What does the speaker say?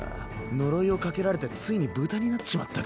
呪いをかけられてついに豚になっちまったか。